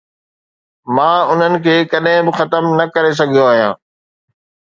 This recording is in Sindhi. مان انهن کي ڪڏهن به ختم نه ڪري سگهيو آهيان